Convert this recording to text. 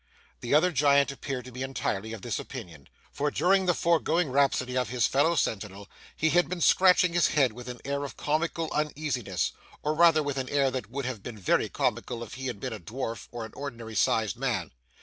The other Giant appeared to be entirely of this opinion, for during the foregoing rhapsody of his fellow sentinel he had been scratching his head with an air of comical uneasiness, or rather with an air that would have been very comical if he had been a dwarf or an ordinary sized man.